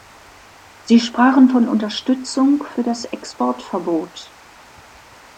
Sie sprachen von Unterstützung für das Exportverbot.